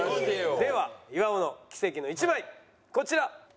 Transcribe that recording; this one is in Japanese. では岩尾の奇跡の１枚こちら。